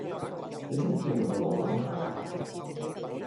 你識唔識用個腦諗吓㗎